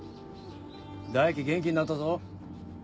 大樹元気になったぞ。